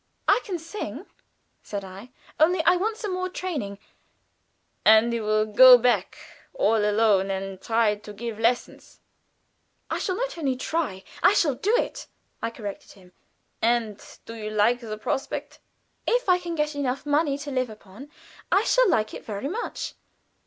"I can sing," said I. "Only I want some more training." "And you will go back all alone and try to give lessons?" "I shall not only try, I shall do it," I corrected him. "And do you like the prospect?" "If I can get enough money to live upon, I shall like it very much.